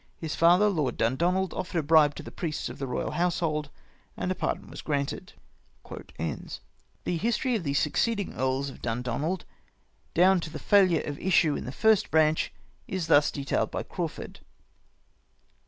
His father. Lord Dundonald, offered a bribe to the priests of the royal household, and a pardon was granted." The history of the succeeding Earls of Dundonald, down to the faihure of issue in the first branch, is thus detailed by Crawfurd.